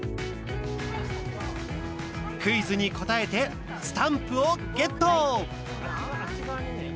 クイズに答えてスタンプをゲット。